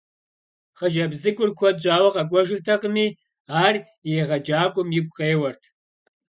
Хъыджэбз цӀыкӀур куэд щӏауэ къэкӀуэжыртэкъыми, ар и егъэджакӀуэм игу къеуэрт.